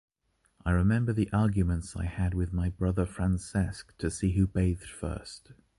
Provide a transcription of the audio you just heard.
I remember the arguments I had with my brother Francesc to see who bathed first.